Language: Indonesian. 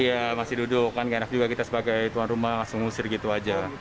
iya masih duduk kan gak enak juga kita sebagai tuan rumah langsung ngusir gitu aja